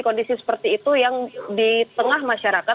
kondisi seperti itu yang di tengah masyarakat